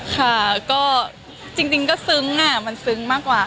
ค่ะก็จริงก็ซึ้งมันซึ้งมากกว่า